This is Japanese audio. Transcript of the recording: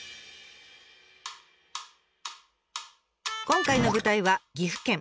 今回の舞台は岐阜県。